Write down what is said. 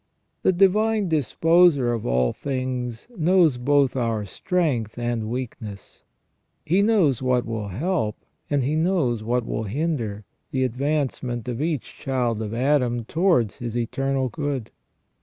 The Divine Disposer of all things knows both our strength and weakness. He knows what will help, and He knows what will hinder, the advancement of each child of Adam towards his eternal good.